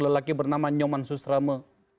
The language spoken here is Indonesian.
lelaki bernama nyoman susrama